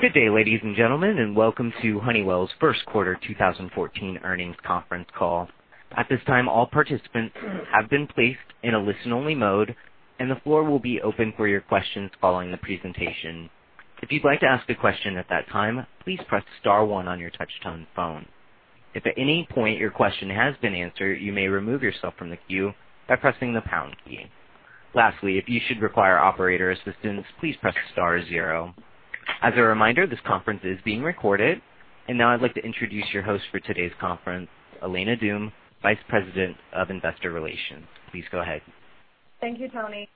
Good day, ladies and gentlemen, and welcome to Honeywell's first quarter 2014 earnings conference call. At this time, all participants have been placed in a listen-only mode. The floor will be open for your questions following the presentation. If you'd like to ask a question at that time, please press star one on your touch-tone phone. If at any point your question has been answered, you may remove yourself from the queue by pressing the pound key. Lastly, if you should require operator assistance, please press star zero. As a reminder, this conference is being recorded. Now I'd like to introduce your host for today's conference, Elena Doom, Vice President of Investor Relations. Please go ahead. Thank you, Tony.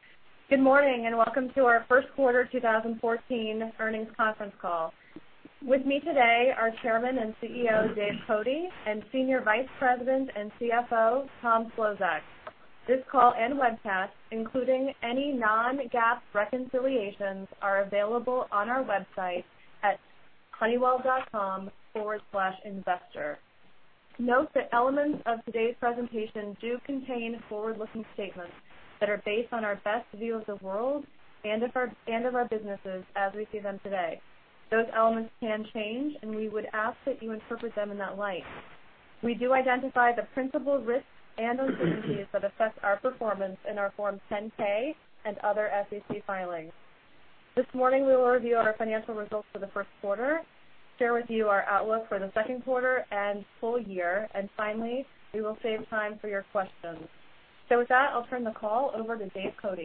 Good morning and welcome to our first quarter 2014 earnings conference call. With me today are Chairman and CEO, Dave Cote, and Senior Vice President and CFO, Tom Szlosek. This call and webcast, including any non-GAAP reconciliations, are available on our website at honeywell.com/investor. Note that elements of today's presentation do contain forward-looking statements that are based on our best view of the world and of our businesses as we see them today. Those elements can change. We would ask that you interpret them in that light. We do identify the principal risks and uncertainties that affect our performance in our Form 10-K and other SEC filings. This morning, we will review our financial results for the first quarter, share with you our outlook for the second quarter and full year. Finally, we will save time for your questions. With that, I'll turn the call over to Dave Cote.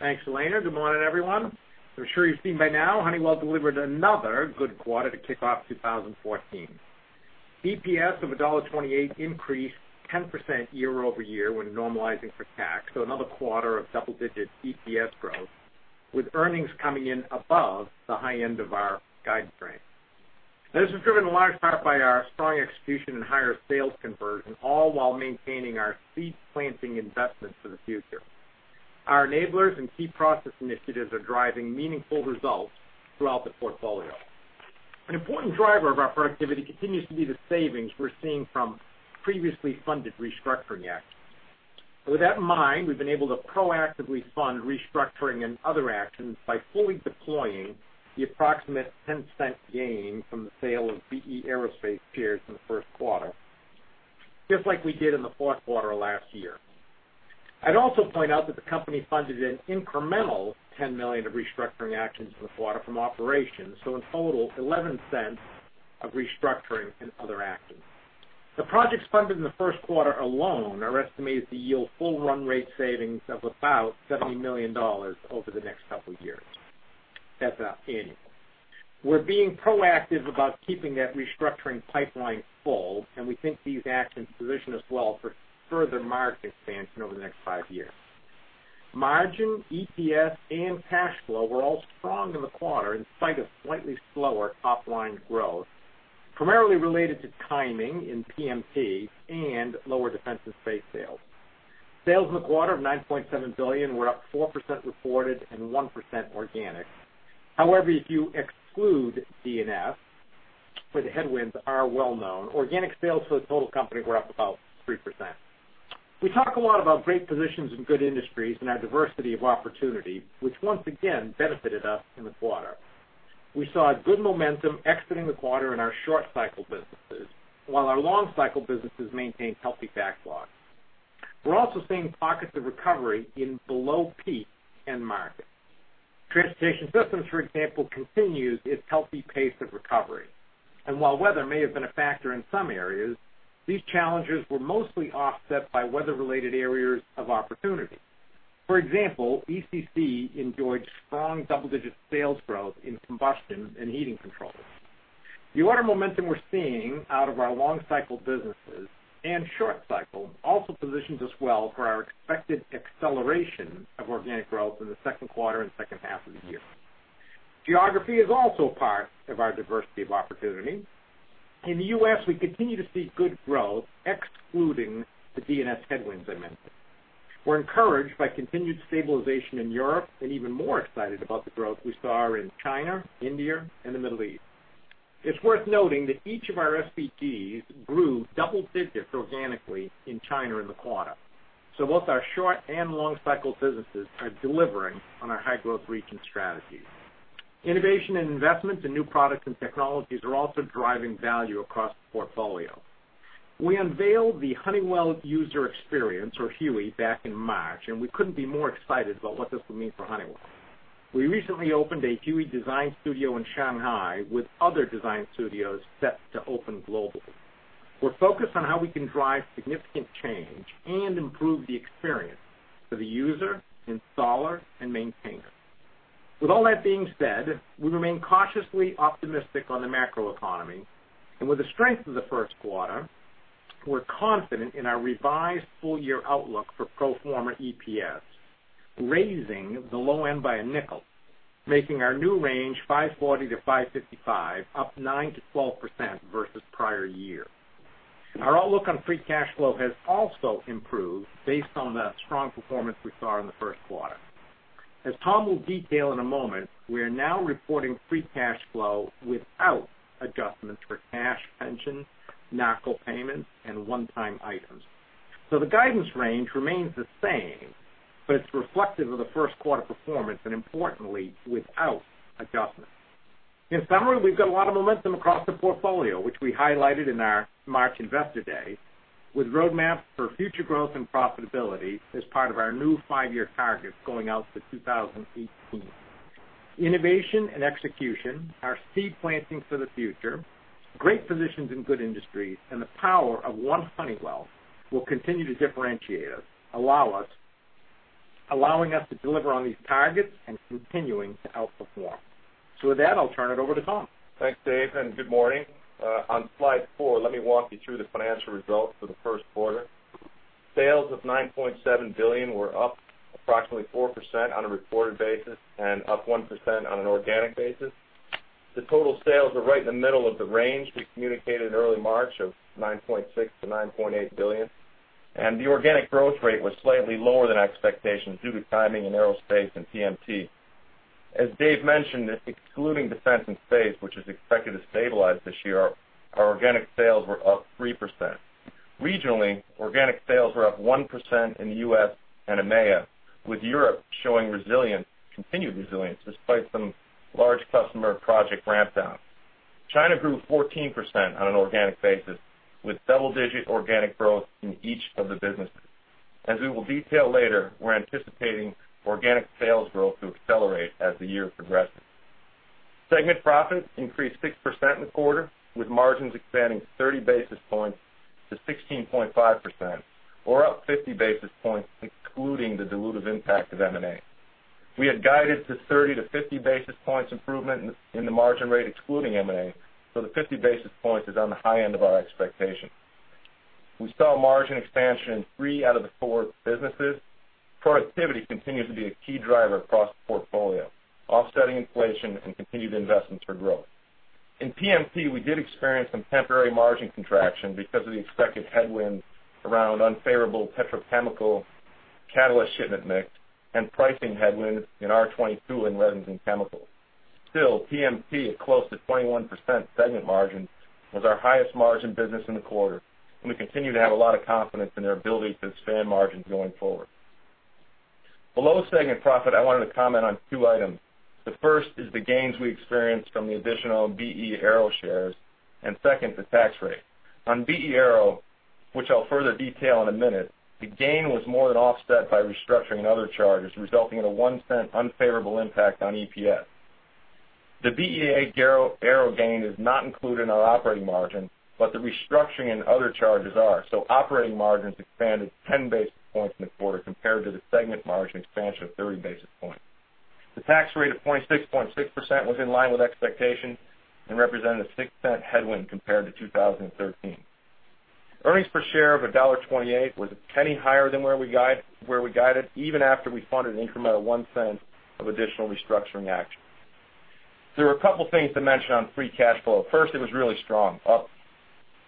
Thanks, Elena. Good morning, everyone. I'm sure you've seen by now, Honeywell delivered another good quarter to kick off 2014. EPS of $1.28 increased 10% year-over-year when normalizing for tax, another quarter of double-digit EPS growth, with earnings coming in above the high end of our guidance range. This was driven in large part by our strong execution and higher sales conversion, all while maintaining our seed planting investments for the future. Our enablers and key process initiatives are driving meaningful results throughout the portfolio. An important driver of our productivity continues to be the savings we're seeing from previously funded restructuring actions. With that in mind, we've been able to proactively fund restructuring and other actions by fully deploying the approximate $0.10 gain from the sale of B/E Aerospace shares in the first quarter, just like we did in the fourth quarter last year. I'd also point out that the company funded an incremental $10 million of restructuring actions in the quarter from operations, so in total, $0.11 of restructuring and other actions. The projects funded in the first quarter alone are estimated to yield full run rate savings of about $70 million over the next couple of years. That's annual. We're being proactive about keeping that restructuring pipeline full, and we think these actions position us well for further market expansion over the next five years. Margin, EPS, and cash flow were all strong in the quarter in spite of slightly slower top-line growth, primarily related to timing in PMT and lower Defense & Space sales. Sales in the quarter of $9.7 billion were up 4% reported and 1% organic. If you exclude D&S, where the headwinds are well-known, organic sales to the total company were up about 3%. We talk a lot about great positions in good industries and our diversity of opportunity, which once again benefited us in the quarter. We saw good momentum exiting the quarter in our short cycle businesses, while our long cycle businesses maintained healthy backlogs. We're also seeing pockets of recovery in below-peak end markets. Transportation Systems, for example, continues its healthy pace of recovery. While weather may have been a factor in some areas, these challenges were mostly offset by weather-related areas of opportunity. For example, ECC enjoyed strong double-digit sales growth in combustion and heating controls. The order momentum we're seeing out of our long cycle businesses and short cycle also positions us well for our expected acceleration of organic growth in the second quarter and second half of the year. Geography is also a part of our diversity of opportunity. In the U.S., we continue to see good growth, excluding the D&S headwinds I mentioned. We're encouraged by continued stabilization in Europe and even more excited about the growth we saw in China, India, and the Middle East. It's worth noting that each of our SBGs grew double digits organically in China in the quarter. Both our short and long cycle businesses are delivering on our high-growth region strategies. Innovation and investments in new products and technologies are also driving value across the portfolio. We unveiled the Honeywell User Experience, or HUE, back in March. We couldn't be more excited about what this will mean for Honeywell. We recently opened a HUE design studio in Shanghai with other design studios set to open globally. We're focused on how we can drive significant change and improve the experience for the user, installer, and maintainer. With all that being said, we remain cautiously optimistic on the macroeconomy. With the strength of the first quarter, we're confident in our revised full-year outlook for pro forma EPS, raising the low end by $0.05, making our new range $5.40 to $5.55, up 9%-12% versus prior year. Our outlook on free cash flow has also improved based on the strong performance we saw in the first quarter. As Tom will detail in a moment, we are now reporting free cash flow without adjustments for cash, pension, NARCO payments, and one-time items. The guidance range remains the same, but it's reflective of the first quarter performance and importantly, without adjustments. In summary, we've got a lot of momentum across the portfolio, which we highlighted in our March investor day, with roadmaps for future growth and profitability as part of our new five-year targets going out to 2018. Innovation and execution are seed planting for the future, great positions in good industries, and the power of One Honeywell will continue to differentiate us, allowing us to deliver on these targets and continuing to outperform. With that, I'll turn it over to Tom. Thanks, Dave, and good morning. On slide four, let me walk you through the financial results for the first quarter. Sales of $9.7 billion were up approximately 4% on a reported basis and up 1% on an organic basis. The total sales were right in the middle of the range we communicated in early March of $9.6 billion-$9.8 billion, and the organic growth rate was slightly lower than expectations due to timing in aerospace and PMT. As Dave mentioned, excluding Defense & Space, which is expected to stabilize this year, our organic sales were up 3%. Regionally, organic sales were up 1% in the U.S. and EMEA, with Europe showing continued resilience despite some large customer project ramp downs. China grew 14% on an organic basis, with double-digit organic growth in each of the businesses. As we will detail later, we're anticipating organic sales growth to accelerate as the year progresses. Segment profit increased 6% in the quarter, with margins expanding 30 basis points to 16.5%, or up 50 basis points, excluding the dilutive impact of M&A. We had guided to 30 to 50 basis points improvement in the margin rate excluding M&A, so the 50 basis points is on the high end of our expectation. We saw margin expansion in three out of the four businesses. Productivity continues to be a key driver across the portfolio, offsetting inflation and continued investments for growth. In PMT, we did experience some temporary margin contraction because of the expected headwinds around unfavorable petrochemical catalyst shipment mix and pricing headwinds in R-22 in resins and chemicals. Still, PMT at close to 21% segment margin was our highest margin business in the quarter, and we continue to have a lot of confidence in their ability to expand margins going forward. Below segment profit, I wanted to comment on two items. The first is the gains we experienced from the additional B/E Aero shares, and second, the tax rate. On B/E Aero, which I'll further detail in a minute, the gain was more than offset by restructuring other charges, resulting in a $0.01 unfavorable impact on EPS. The B/E Aero gain is not included in our operating margin, but the restructuring and other charges are. Operating margins expanded 10 basis points in the quarter compared to the segment margin expansion of 30 basis points. The tax rate of 26.6% was in line with expectations and represented a $0.06 headwind compared to 2013. Earnings per share of $1.28 was a penny higher than where we guided, even after we funded an incremental $0.01 of additional restructuring actions. There are a couple things to mention on free cash flow. First, it was really strong, up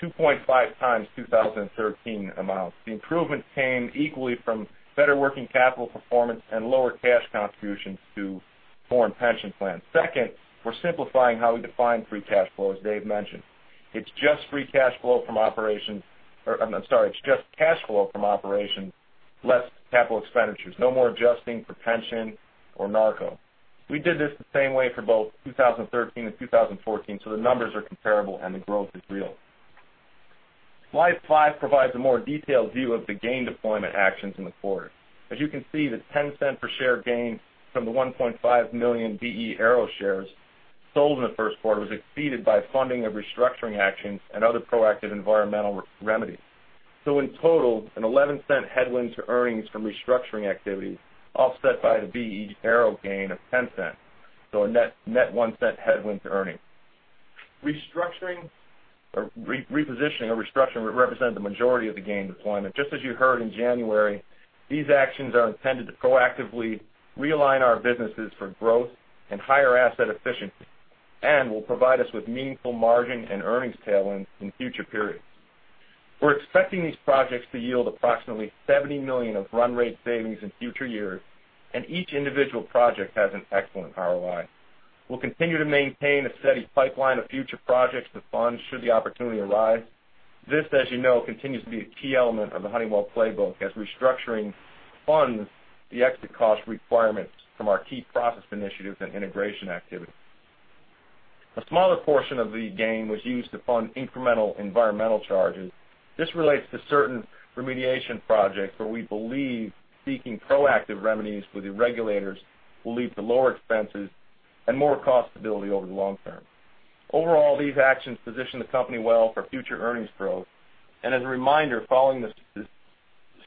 2.5 times 2013 amounts. The improvement came equally from better working capital performance and lower cash contributions to foreign pension plans. Second, we're simplifying how we define free cash flow, as Dave mentioned. It's just cash flow from operations, less capital expenditures. No more adjusting for pension or NARCO. We did this the same way for both 2013 and 2014, so the numbers are comparable and the growth is real. Slide five provides a more detailed view of the gain deployment actions in the quarter. As you can see, the $0.10 per share gain from the 1.5 million B/E Aero shares sold in the first quarter was exceeded by funding of restructuring actions and other proactive environmental remedies. In total, an $0.11 headwind to earnings from restructuring activities offset by the B/E Aero gain of $0.10. A net $0.01 headwind to earnings. Restructuring or repositioning represented the majority of the gain deployment. Just as you heard in January, these actions are intended to proactively realign our businesses for growth and higher asset efficiency and will provide us with meaningful margin and earnings tailwinds in future periods. We're expecting these projects to yield approximately $70 million of run rate savings in future years, and each individual project has an excellent ROI. We'll continue to maintain a steady pipeline of future projects to fund should the opportunity arise. This, as you know, continues to be a key element of the Honeywell playbook as restructuring funds the exit cost requirements from our key process initiatives and integration activities. A smaller portion of the gain was used to fund incremental environmental charges. This relates to certain remediation projects where we believe seeking proactive remedies with the regulators will lead to lower expenses and more cost stability over the long term. Overall, these actions position the company well for future earnings growth. As a reminder, following the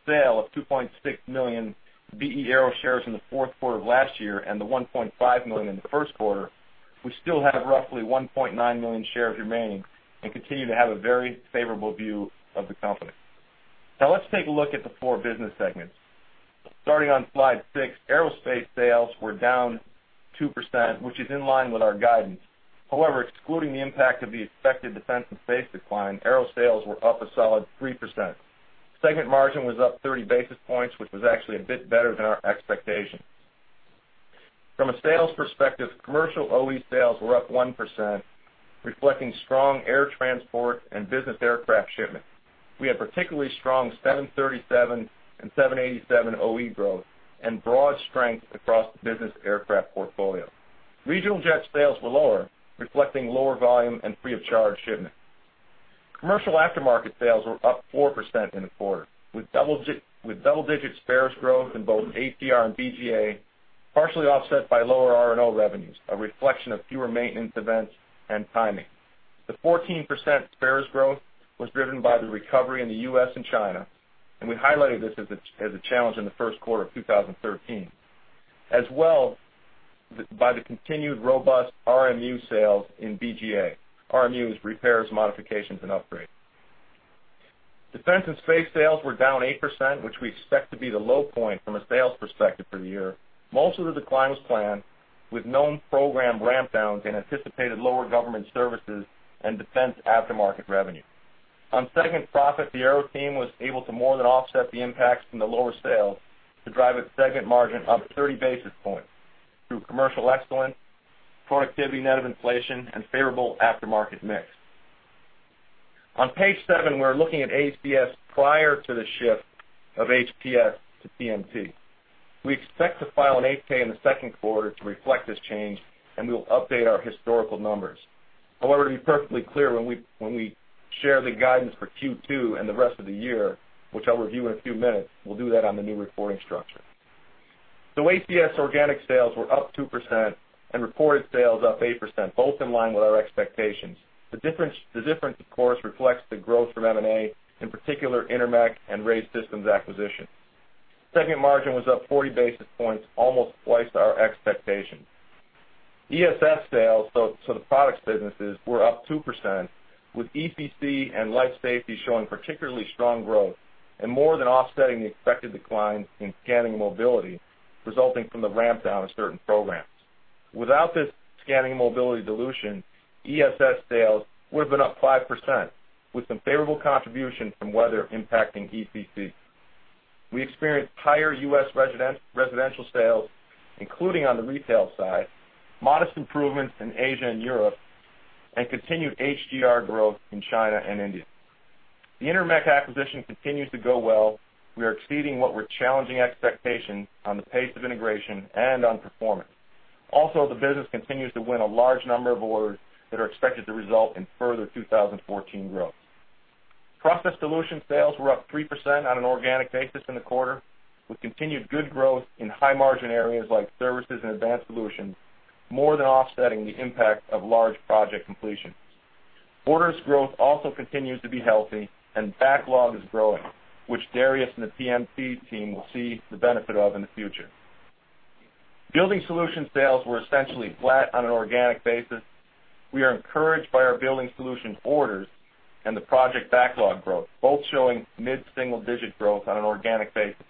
sale of 2.6 million B/E Aero shares in the fourth quarter of last year and the 1.5 million in the first quarter, we still have roughly 1.9 million shares remaining and continue to have a very favorable view of the company. Now let's take a look at the four business segments. Starting on Slide six, Aerospace sales were down 2%, which is in line with our guidance. However, excluding the impact of the expected Defense & Space decline, Aero sales were up a solid 3%. Segment margin was up 30 basis points, which was actually a bit better than our expectation. From a sales perspective, commercial OE sales were up 1%, reflecting strong Air Transport and business aircraft shipments. We had particularly strong 737 and 787 OE growth and broad strength across the business aircraft portfolio. Regional jet sales were lower, reflecting lower volume and free of charge shipments. Commercial aftermarket sales were up 4% in the quarter, with double-digit spares growth in both ATR and BGA, partially offset by lower R&O revenues, a reflection of fewer maintenance events and timing. The 14% spares growth was driven by the recovery in the U.S. and China, and we highlighted this as a challenge in the first quarter of 2013, as well by the continued robust RMU sales in BGA. RMU is repairs, modifications, and upgrades. Defense & Space sales were down 8%, which we expect to be the low point from a sales perspective for the year. Most of the decline was planned with known program ramp downs and anticipated lower government services and defense aftermarket revenue. On segment profit, the aero team was able to more than offset the impacts from the lower sales to drive its segment margin up 30 basis points through commercial excellence, productivity net of inflation, and favorable aftermarket mix. On page seven, we're looking at ACS prior to the shift of HPS to PMT. We expect to file an 8-K in the second quarter to reflect this change, and we will update our historical numbers. However, to be perfectly clear, when we share the guidance for Q2 and the rest of the year, which I'll review in a few minutes, we'll do that on the new reporting structure. ACS organic sales were up 2% and reported sales up 8%, both in line with our expectations. The difference, of course, reflects the growth from M&A, in particular Intermec and RAE Systems acquisition. Segment margin was up 40 basis points, almost twice our expectation. ESS sales, so the products businesses, were up 2%, with EPC and life safety showing particularly strong growth and more than offsetting the expected declines in scanning mobility resulting from the ramp down of certain programs. Without this scanning mobility dilution, ESS sales would have been up 5%, with some favorable contribution from weather impacting EPC. We experienced higher U.S. residential sales, including on the retail side, modest improvements in Asia and Europe, and continued HGR growth in China and India. The Intermec acquisition continues to go well. We are exceeding what were challenging expectations on the pace of integration and on performance. Also, the business continues to win a large number of awards that are expected to result in further 2014 growth. Process solution sales were up 3% on an organic basis in the quarter, with continued good growth in high margin areas like services and advanced solutions, more than offsetting the impact of large project completions. Orders growth also continues to be healthy and backlog is growing, which Darius and the PMT team will see the benefit of in the future. Building solution sales were essentially flat on an organic basis. We are encouraged by our building solution orders and the project backlog growth, both showing mid-single digit growth on an organic basis.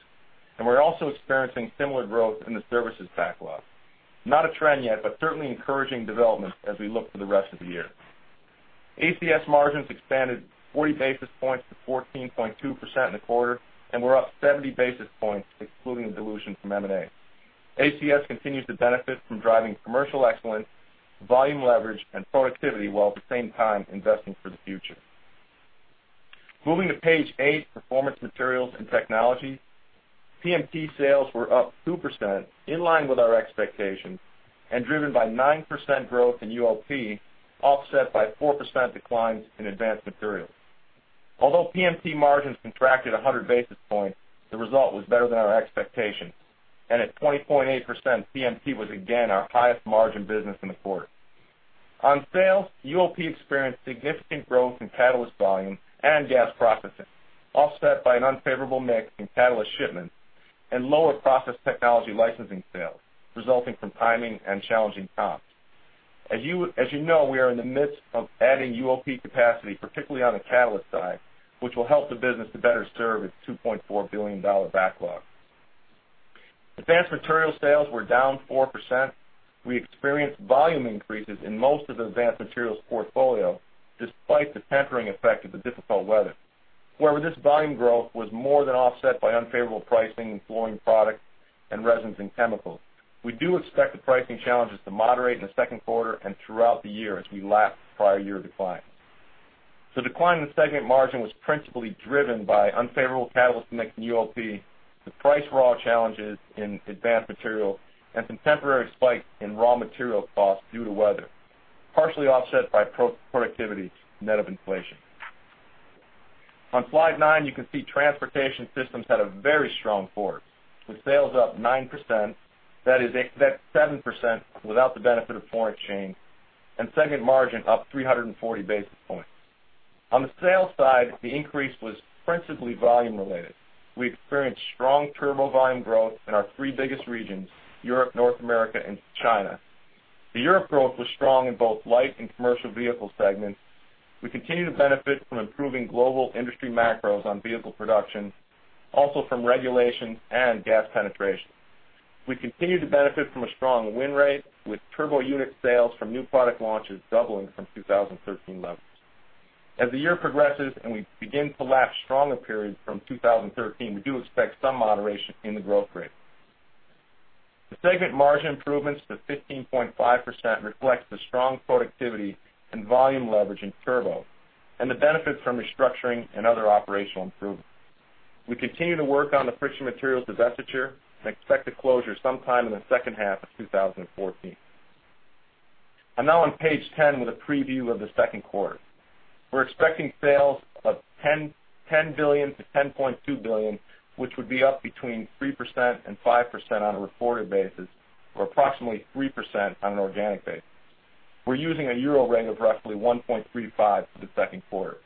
We're also experiencing similar growth in the services backlog. Not a trend yet, but certainly encouraging development as we look to the rest of the year. ACS margins expanded 40 basis points to 14.2% in the quarter, and were up 70 basis points, excluding the dilution from M&A. ACS continues to benefit from driving commercial excellence, volume leverage, and productivity, while at the same time investing for the future. Moving to page eight, Performance Materials & Technology. PMT sales were up 2%, in line with our expectations, and driven by 9% growth in UOP, offset by 4% declines in Advanced Materials. Although PMT margins contracted 100 basis points, the result was better than our expectations. At 20.8%, PMT was again our highest margin business in the quarter. On sales, UOP experienced significant growth in catalyst volume and gas processing, offset by an unfavorable mix in catalyst shipments and lower process technology licensing sales, resulting from timing and challenging comps. As you know, we are in the midst of adding UOP capacity, particularly on the catalyst side, which will help the business to better serve its $2.4 billion backlog. Advanced Materials sales were down 4%. We experienced volume increases in most of the Advanced Materials portfolio, despite the tempering effect of the difficult weather. However, this volume growth was more than offset by unfavorable pricing in Fluorine Products and resins and chemicals. We do expect the pricing challenges to moderate in the second quarter and throughout the year as we lap prior year declines. The decline in segment margin was principally driven by unfavorable catalyst mix in UOP to price raw challenges in Advanced Materials and some temporary spikes in raw material costs due to weather, partially offset by productivity net of inflation. On slide nine, you can see Transportation Systems had a very strong quarter, with sales up 9%, that is 7% without the benefit of foreign exchange, and segment margin up 340 basis points. On the sales side, the increase was principally volume related. We experienced strong turbo volume growth in our three biggest regions, Europe, North America, and China. The Europe growth was strong in both light and commercial vehicle segments. We continue to benefit from improving global industry macros on vehicle production, also from regulation and gas penetration. We continue to benefit from a strong win rate with turbo unit sales from new product launches doubling from 2013 levels. As the year progresses and we begin to lap stronger periods from 2013, we do expect some moderation in the growth rate. The segment margin improvements to 15.5% reflects the strong productivity and volume leverage in Turbo and the benefits from restructuring and other operational improvements. We continue to work on the Friction Materials divestiture and expect a closure sometime in the second half of 2014. I'm now on page 10 with a preview of the second quarter. We're expecting sales of $10 billion-$10.2 billion, which would be up between 3% and 5% on a reported basis, or approximately 3% on an organic basis. We're using a euro range of roughly 1.35 for the second quarter.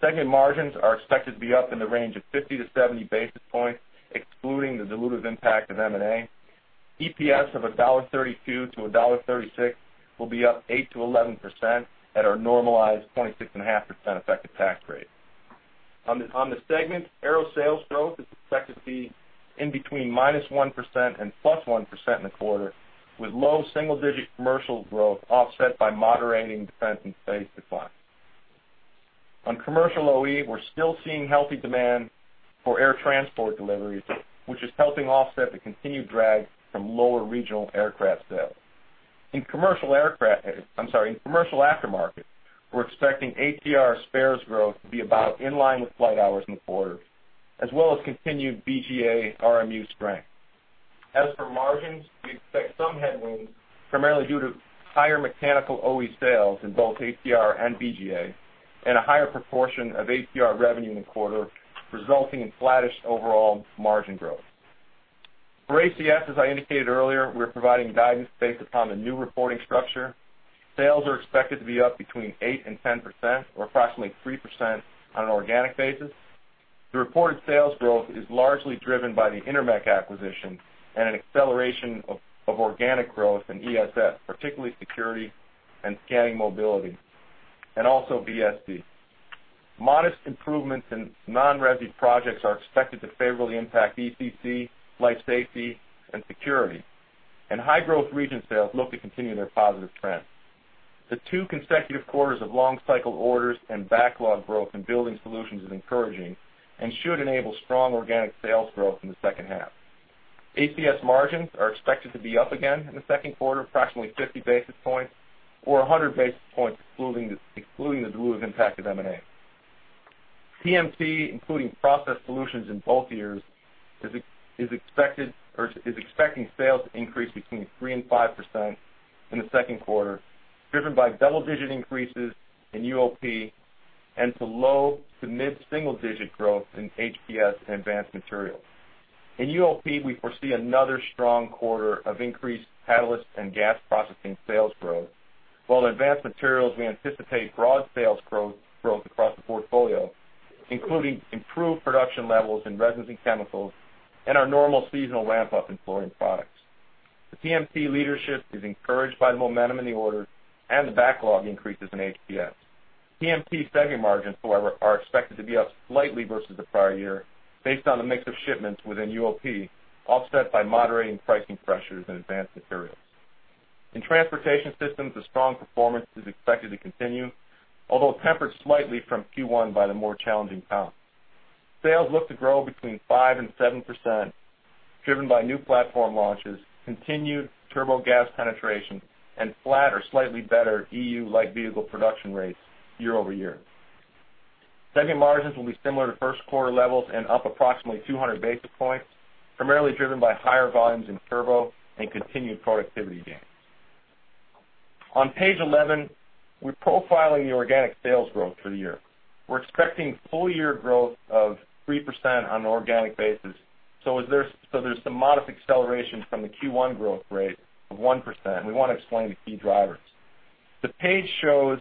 Segment margins are expected to be up in the range of 50-70 basis points, excluding the dilutive impact of M&A. EPS of $1.32-$1.36 will be up 8%-11% at our normalized 26.5% effective tax rate. On the segment Aero sales growth is expected to be in between -1% and +1% in the quarter, with low single-digit commercial growth offset by moderating Defense & Space declines. On commercial OE, we're still seeing healthy demand for air transport deliveries, which is helping offset the continued drag from lower regional aircraft sales. In commercial aftermarket, we're expecting ATR spares growth to be about in line with flight hours in the quarter, as well as continued BGA RMU strength. As for margins, we expect some headwinds, primarily due to higher mechanical OE sales in both ATR and BGA and a higher proportion of ATR revenue in the quarter, resulting in flattish overall margin growth. For ACS, as I indicated earlier, we're providing guidance based upon the new reporting structure. Sales are expected to be up between 8% and 10%, or approximately 3% on an organic basis. The reported sales growth is largely driven by the Intermec acquisition and an acceleration of organic growth in ESS, particularly security and scanning mobility, and also VSD. Modest improvements in non-resi projects are expected to favorably impact ECC, life safety, and security, and high-growth region sales look to continue their positive trend. The two consecutive quarters of long-cycle orders and backlog growth in Building Solutions is encouraging and should enable strong organic sales growth in the second half. ACS margins are expected to be up again in the second quarter, approximately 50 basis points or 100 basis points, excluding the dilutive impact of M&A. PMT, including Process Solutions in both years, is expecting sales to increase between 3% and 5% in the second quarter, driven by double-digit increases in UOP and to low to mid-single-digit growth in HPS and Advanced Materials. In UOP, we foresee another strong quarter of increased catalyst and gas processing sales growth. While in Advanced Materials, we anticipate broad sales growth across the portfolio, including improved production levels in resins and chemicals and our normal seasonal ramp-up in Fluorine Products. The PMT leadership is encouraged by the momentum in the orders and the backlog increases in HPS. PMT segment margins, however, are expected to be up slightly versus the prior year based on the mix of shipments within UOP, offset by moderating pricing pressures in Advanced Materials. In Transportation Systems, the strong performance is expected to continue, although tempered slightly from Q1 by the more challenging comp. Sales look to grow between 5% and 7%, driven by new platform launches, continued turbo gas penetration, and flat or slightly better EU light vehicle production rates year-over-year. Segment margins will be similar to first quarter levels and up approximately 200 basis points, primarily driven by higher volumes in Turbo and continued productivity gains. On page 11, we're profiling the organic sales growth for the year. We're expecting full-year growth of 3% on an organic basis. There's some modest acceleration from the Q1 growth rate of 1%, and we want to explain the key drivers. The page shows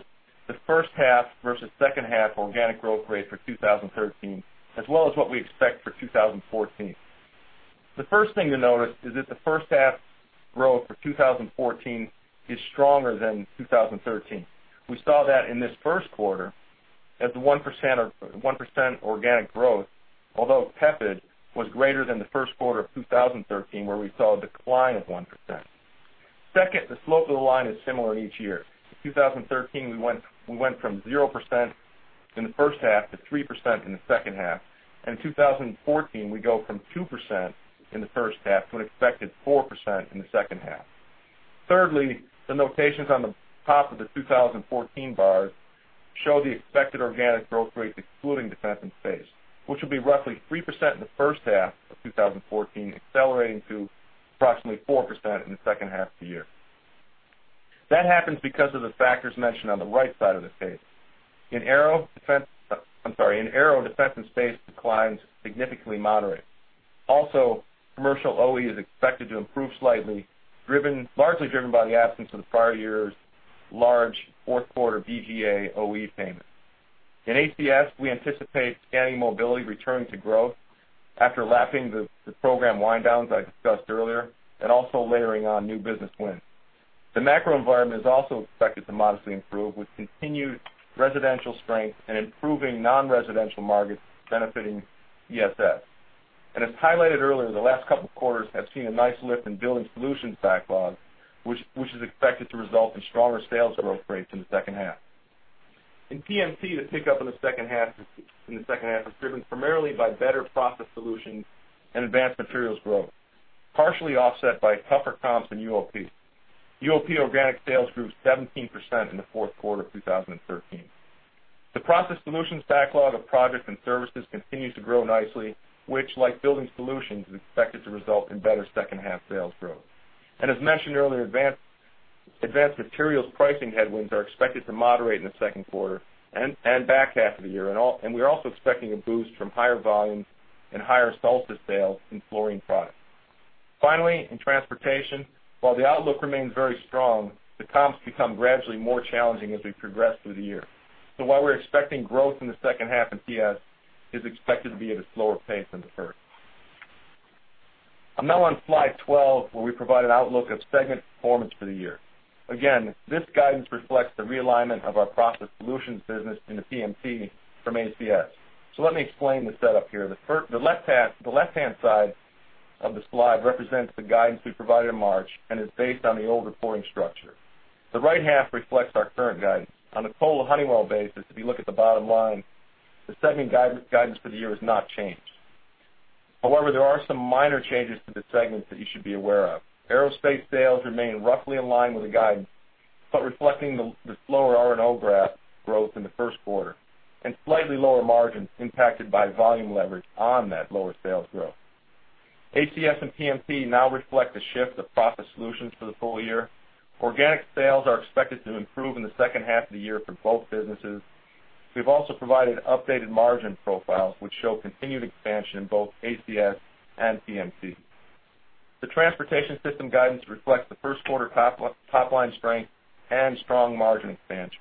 the first half versus second half organic growth rate for 2013, as well as what we expect for 2014. The first thing to notice is that the first half growth for 2014 is stronger than 2013. We saw that in this first quarter as the 1% organic growth, although tepid, was greater than the first quarter of 2013, where we saw a decline of 1%. Second, the slope of the line is similar in each year. In 2013, we went from 0% in the first half to 3% in the second half, and in 2014, we go from 2% in the first half to an expected 4% in the second half. Thirdly, the notations on the top of the 2014 bars show the expected organic growth rates excluding Defense & Space, which will be roughly 3% in the first half of 2014, accelerating to approximately 4% in the second half of the year. That happens because of the factors mentioned on the right side of this page. In Aero, Defense & Space declines significantly moderate. commercial OE is expected to improve slightly, largely driven by the absence of the prior year's large fourth quarter BGA OE payment. In ACS, we anticipate scanning mobility returning to growth after lapping the program wind downs I discussed earlier and also layering on new business wins. The macro environment is also expected to modestly improve, with continued residential strength and improving non-residential markets benefiting ESS. As highlighted earlier, the last couple of quarters have seen a nice lift in Honeywell Building Solutions backlog, which is expected to result in stronger sales growth rates in the second half. In PMT, the pickup in the second half is driven primarily by better Honeywell Process Solutions and Advanced Materials growth, partially offset by tougher comps in Honeywell UOP. Honeywell UOP organic sales grew 17% in the fourth quarter of 2013. The Honeywell Process Solutions backlog of projects and services continues to grow nicely, which like Honeywell Building Solutions, is expected to result in better second half sales growth. As mentioned earlier, Advanced Materials pricing headwinds are expected to moderate in the second quarter and back half of the year, and we are also expecting a boost from higher volumes and higher Solstice sales in Fluorine Products. Finally, in Transportation Systems, while the outlook remains very strong, the comps become gradually more challenging as we progress through the year. While we're expecting growth in the second half in TS, it's expected to be at a slower pace than the first. I'm now on slide 12, where we provide an outlook of segment performance for the year. Again, this guidance reflects the realignment of our Honeywell Process Solutions business in the PMT from ACS. Let me explain the setup here. The left-hand side of the slide represents the guidance we provided in March and is based on the old reporting structure. The right half reflects our current guidance. On a total Honeywell basis, if you look at the bottom line, the segment guidance for the year has not changed. However, there are some minor changes to the segments that you should be aware of. Aerospace sales remain roughly in line with the guidance, but reflecting the slower R&O growth in the first quarter and slightly lower margins impacted by volume leverage on that lower sales growth. ACS and PMT now reflect the shift of Honeywell Process Solutions for the full year. Organic sales are expected to improve in the second half of the year for both businesses. We've also provided updated margin profiles, which show continued expansion in both ACS and PMT. The Transportation Systems guidance reflects the first quarter top-line strength and strong margin expansion.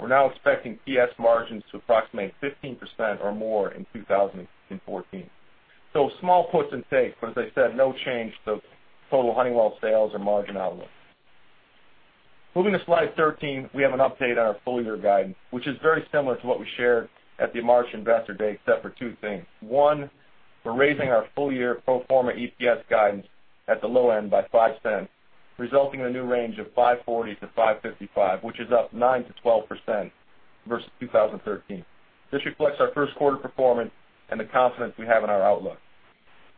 We're now expecting TS margins to approximate 15% or more in 2014. Small puts and takes, but as I said, no change to total Honeywell sales or margin outlook. Moving to slide 13, we have an update on our full-year guidance, which is very similar to what we shared at the March investor day, except for two things. One, we're raising our full-year pro forma EPS guidance at the low end by $0.05, resulting in a new range of $5.40-$5.55, which is up 9%-12% versus 2013. This reflects our first quarter performance and the confidence we have in our outlook.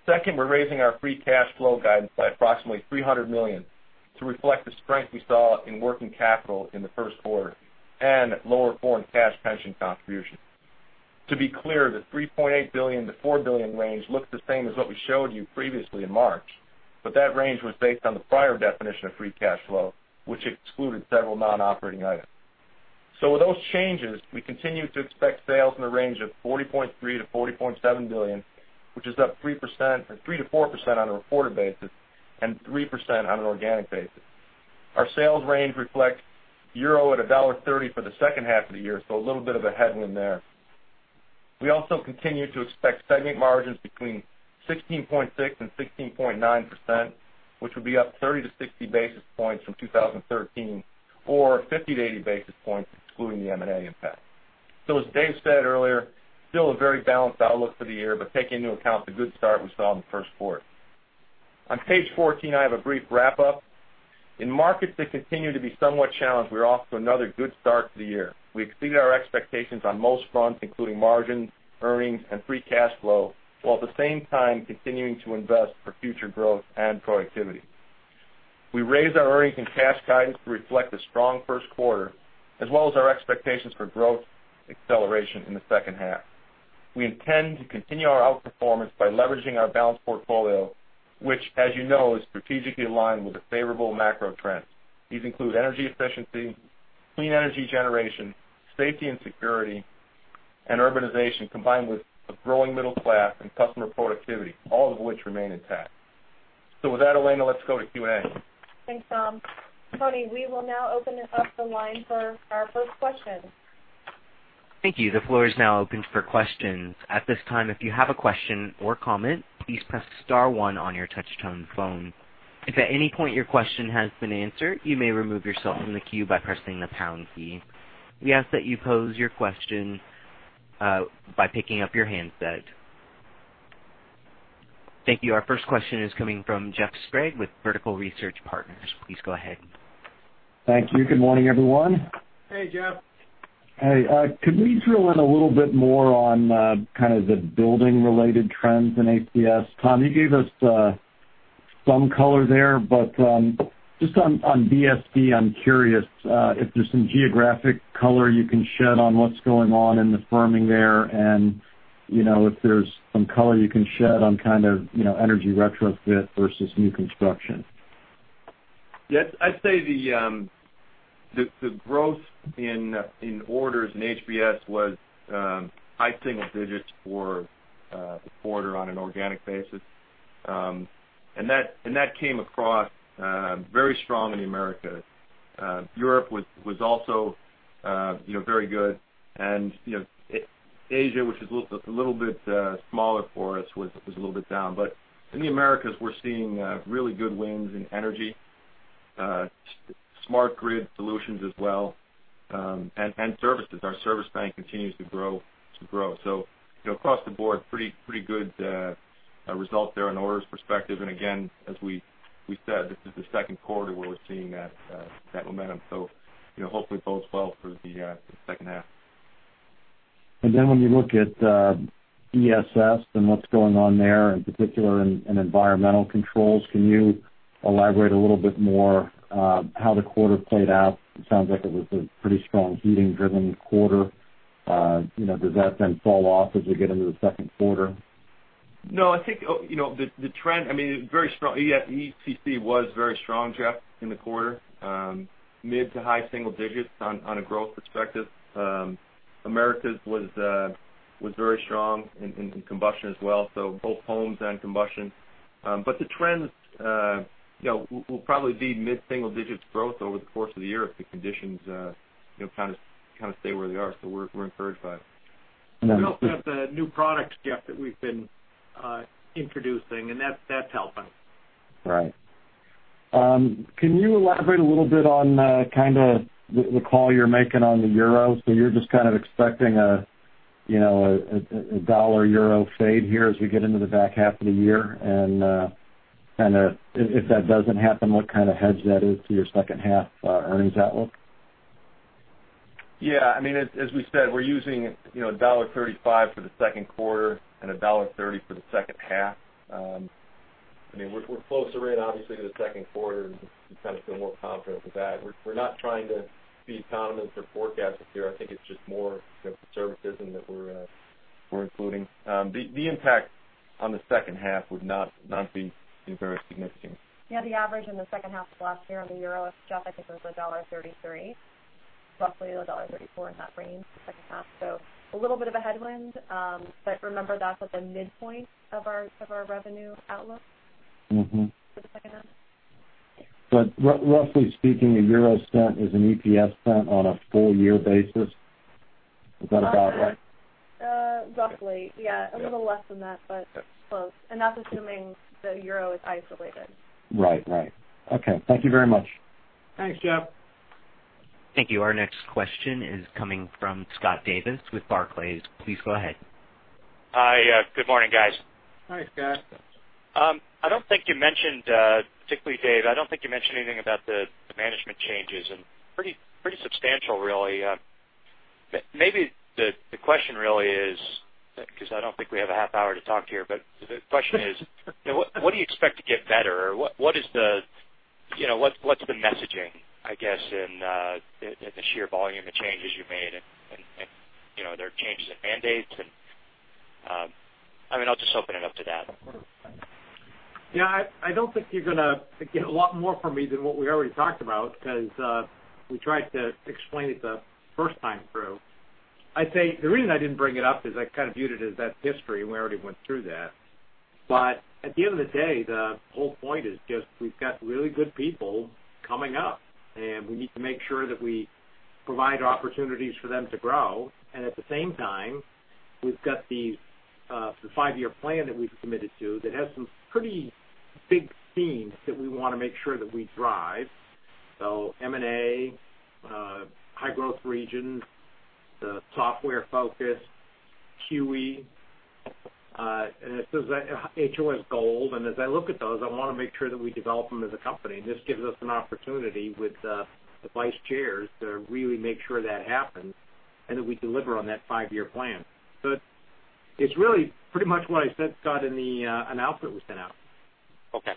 Second, we're raising our free cash flow guidance by approximately $300 million to reflect the strength we saw in working capital in the first quarter and lower foreign cash pension contribution. To be clear, the $3.8 billion to $4 billion range looks the same as what we showed you previously in March, but that range was based on the prior definition of free cash flow, which excluded several non-operating items. With those changes, we continue to expect sales in the range of $40.3 billion to $40.7 billion, which is up 3%-4% on a reported basis and 3% on an organic basis. Our sales range reflects 1.30 euro for the second half of the year, a little bit of a headwind there. We also continue to expect segment margins between 16.6% and 16.9%, which would be up 30 to 60 basis points from 2013 or 50 to 80 basis points excluding the M&A impact. As Dave said earlier, still a very balanced outlook for the year, but take into account the good start we saw in the first quarter. On page 14, I have a brief wrap-up. In markets that continue to be somewhat challenged, we are off to another good start to the year. We exceeded our expectations on most fronts, including margins, earnings, and free cash flow, while at the same time continuing to invest for future growth and productivity. We raised our earnings and cash guidance to reflect the strong first quarter, as well as our expectations for growth acceleration in the second half. We intend to continue our outperformance by leveraging our balanced portfolio, which, as you know, is strategically aligned with the favorable macro trends. These include energy efficiency, clean energy generation, safety and security, and urbanization, combined with the growing middle class and customer productivity, all of which remain intact. With that, Elena, let's go to Q&A. Thanks, Tom. Tony, we will now open up the line for our first question. Thank you. The floor is now open for questions. At this time, if you have a question or comment, please press *1 on your touch-tone phone. If at any point your question has been answered, you may remove yourself from the queue by pressing the # key. We ask that you pose your question by picking up your handset. Thank you. Our first question is coming from Jeff Sprague with Vertical Research Partners. Please go ahead. Thank you. Good morning, everyone. Hey, Jeff. Hey. Could we drill in a little bit more on kind of the building-related trends in HBS? Tom, you gave us some color there, but just on BSD, I'm curious if there's some geographic color you can shed on what's going on in the firming there and if there's some color you can shed on kind of energy retrofit versus new construction. Yes. I'd say the growth in orders in HBS was high single digits for the quarter on an organic basis. That came across very strong in the Americas. Europe was also very good. Asia, which is a little bit smaller for us, was a little bit down. In the Americas, we're seeing really good wins in energy Smart Grid solutions as well, and services. Our service bank continues to grow. Across the board, pretty good result there on orders perspective. Again, as we said, this is the second quarter where we're seeing that momentum. Hopefully bodes well for the second half. When you look at ESS and what's going on there, in particular in environmental controls, can you elaborate a little bit more how the quarter played out? It sounds like it was a pretty strong heating-driven quarter. Does that then fall off as we get into the second quarter? No, I think ECC was very strong, Jeff, in the quarter. Mid to high single digits on a growth perspective. Americas was very strong in combustion as well. Both homes and combustion. The trends will probably be mid-single digits growth over the course of the year if the conditions kind of stay where they are. We're encouraged by it. We also have the new products, Jeff, that we've been introducing, and that's helping. Right. Can you elaborate a little bit on the call you're making on the euro? You're just kind of expecting a dollar-euro fade here as we get into the back half of the year? If that doesn't happen, what kind of hedge that is to your second half earnings outlook? As we said, we're using $1.35 for the second quarter and $1.30 for the second half. We're closer in, obviously, to the second quarter and just kind of feel more confident with that. We're not trying to be economists or forecasters here. It's just more the services that we're including. The impact on the second half would not be very significant. The average in the second half of last year on the euro, Jeff, was $1.33, roughly $1.34, in that range for the second half. A little bit of a headwind. Remember, that's at the midpoint of our revenue outlook- for the second half. Roughly speaking, EUR 0.01 is $0.01 EPS on a full year basis. Is that about right? Roughly, yeah. A little less than that, but close. That's assuming the euro is isolated. Right. Okay. Thank you very much. Thanks, Jeff. Thank you. Our next question is coming from Scott Davis with Barclays. Please go ahead. Hi. Good morning, guys. Hi, Scott. I don't think you mentioned, particularly Dave, I don't think you mentioned anything about the management changes, and pretty substantial, really. Maybe the question really is, because I don't think we have a half hour to talk to you, but the question is what do you expect to get better? What's the messaging, I guess, in the sheer volume of changes you made and there are changes in mandates and I'll just open it up to that? Yeah, I don't think you're going to get a lot more from me than what we already talked about, because we tried to explain it the first time through. At the end of the day, the whole point is just we've got really good people coming up, and we need to make sure that we provide opportunities for them to grow. At the same time, we've got the five-year plan that we've committed to that has some pretty big themes that we want to make sure that we drive. M&A, High Growth Regions, the software focus, QE, and HOS Gold. As I look at those, I want to make sure that we develop them as a company. This gives us an opportunity with the vice chairs to really make sure that happens and that we deliver on that five-year plan. It's really pretty much what I said, Scott, in the announcement we sent out. Okay.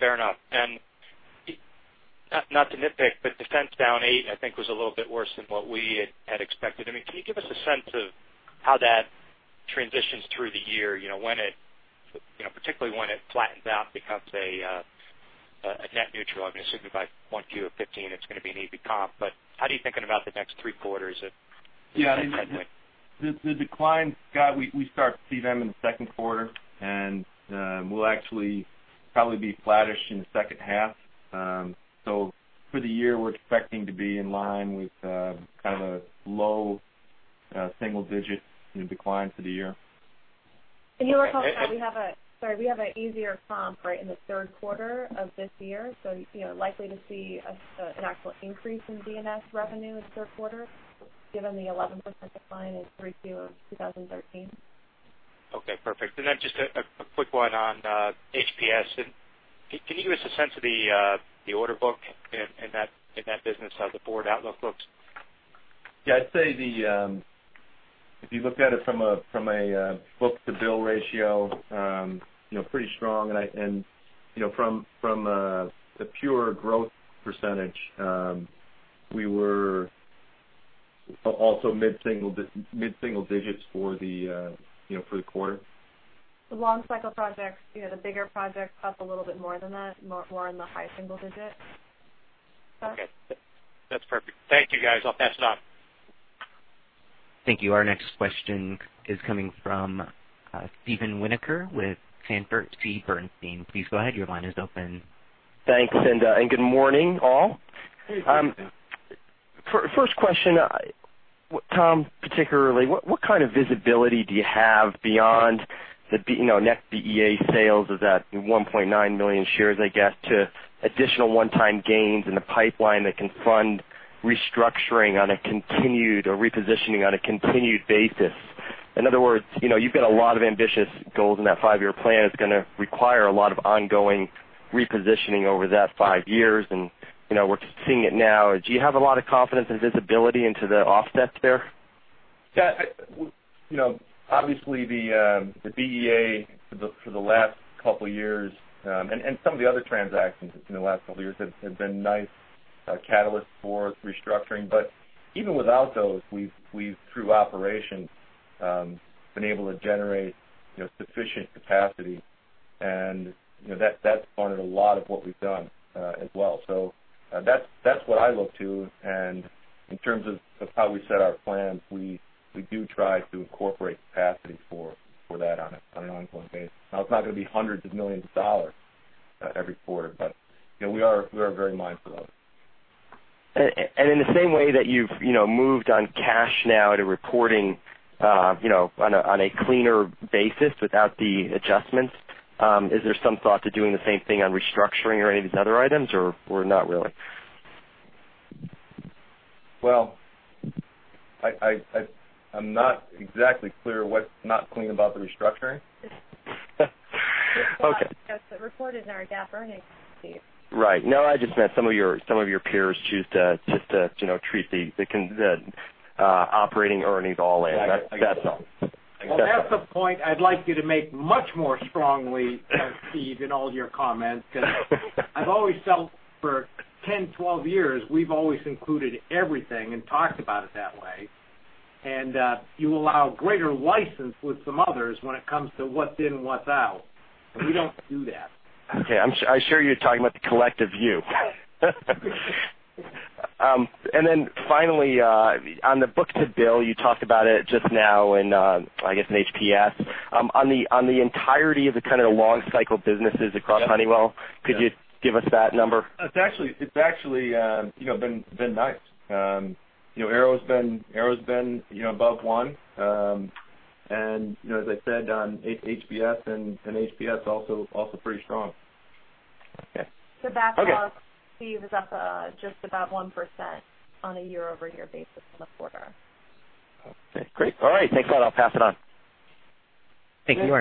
Fair enough. Not to nitpick, Defense down 8%, I think, was a little bit worse than what we had expected. Can you give us a sense of how that transitions through the year, particularly when it flattens out and becomes a net neutral? Assuming by 1Q of 2015, it's going to be an easy comp. How are you thinking about the next three quarters of that trend? Yeah, the declines, Scott, we start to see them in the second quarter, and we'll actually probably be flattish in the second half. For the year, we're expecting to be in line with kind of a low single-digit decline for the year. You were talking about, we have an easier comp right in the third quarter of this year. Likely to see an actual increase in D&S revenue in the third quarter, given the 11% decline in 3Q of 2013. Okay, perfect. Just a quick one on HPS. Can you give us a sense of the order book in that business, how the broader outlook looks? Yeah, I'd say if you looked at it from a book to bill ratio, pretty strong. From a pure growth percentage, we were also mid-single digits for the quarter. The long cycle projects, the bigger projects, up a little bit more than that, more in the high single digits. Scott? Okay. That's perfect. Thank you, guys. I'll pass it on. Thank you. Our next question is coming from Steven Winoker with Sanford C. Bernstein. Please go ahead. Your line is open. Thanks, good morning, all. Good morning, Steven. First question, Tom, particularly, what kind of visibility do you have beyond the net BEA sales of that 1.9 million shares, I guess, to additional one-time gains in the pipeline that can fund restructuring on a continued or repositioning on a continued basis? In other words, you've got a lot of ambitious goals in that five-year plan. It's going to require a lot of ongoing repositioning over that five years, and we're seeing it now. Do you have a lot of confidence and visibility into the offset there? Yeah. Obviously, the BEA for the last couple of years, and some of the other transactions in the last couple of years have been nice catalysts for restructuring. Even without those, we've, through operations, been able to generate sufficient capacity, and that's funded a lot of what we've done as well. That's what I look to. In terms of how we set our plans, we do try to incorporate capacity for that on an ongoing basis. Now, it's not going to be hundreds of millions of dollars every quarter, but we are very mindful of it. In the same way that you've moved on cash now to reporting on a cleaner basis without the adjustments, is there some thought to doing the same thing on restructuring or any of these other items, or not really? Well, I'm not exactly clear what's not clean about the restructuring. Okay. It's reported in our GAAP earnings, Steve. Right. No, I just meant some of your peers choose to just treat the operating earnings all in. That's all. I gotcha. Well, that's a point I'd like you to make much more strongly, Steve, in all your comments. I've always felt for 10, 12 years, we've always included everything and talked about it that way, and you allow greater license with some others when it comes to what's in, what's out, and we don't do that. Okay. I'm sure you're talking about the collective you. Finally, on the book-to-bill, you talked about it just now in, I guess, in HPS. On the entirety of the kind of long cycle businesses across Honeywell- Yeah. Could you give us that number? It's actually been nice. Aero's been above one, and as I said on HPS, and HPS also pretty strong. Okay. To back off, Steve, is up just about 1% on a year-over-year basis from the quarter. Okay, great. All right. Thanks a lot. I'll pass it on. Thank you.